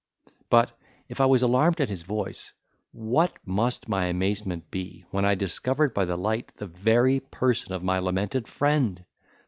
But, if I was alarmed at his voice, what must my amazement be, when I discovered by the light the very person of my lamented friend!